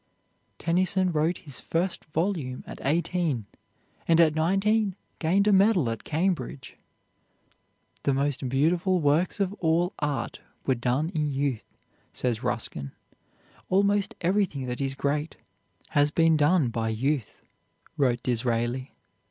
Tennyson wrote his first volume at eighteen, and at nineteen gained a medal at Cambridge. "The most beautiful works of all art were done in youth," says Ruskin. "Almost everything that is great has been done by youth," wrote Disraeli.